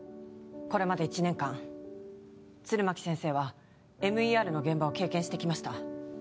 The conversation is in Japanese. これまで１年間弦巻先生はＭＥＲの現場を経験してきました